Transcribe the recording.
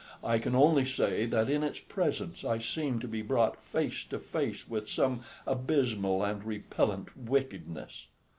I can only say that in its presence I seem to be brought face to face with some abysmal and repellent wickedness.